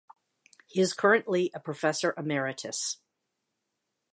He is currently a Professor emeritus.